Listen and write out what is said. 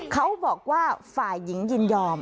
เขาบอกว่าฝ่ายหญิงยินยอม